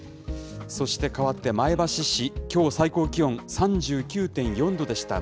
そしてかわって前橋市、きょう最高気温３９．４度でした。